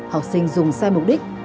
học sinh dùng sai mục đích